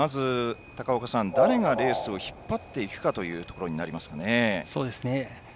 まず高岡さん、誰がレースを引っ張っていくかというところになりますね。